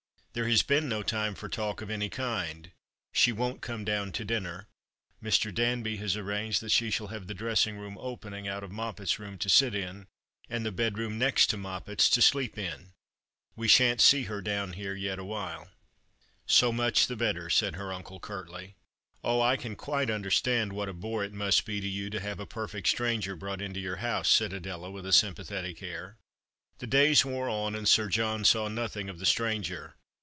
There has been no time for talk of any kind. She won't come down to dinner. Mr. Danby has arranged that she shall have the dressing room opening out of Moppet's room to sit in, and the bedroom next to Moppet's to sleep in. We shan't see her down here yet awhile." " So much the better," said her uncle, curtly. 240 The Christmas Hirelings. " Oh, I can quite understand what a bore it must be to you to have a perfect stranger brought into your house," said Adela, ^\ith a sympathetic air. The days wore on, and Sir John saw nothing of the stranger.